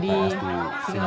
pak hamilton berdoa